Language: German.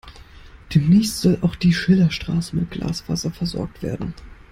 Demnächst soll auch die Schillerstraße mit Glasfaser versorgt werden.